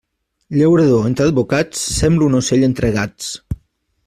Llaurador entre advocats, sembla un ocell entre gats.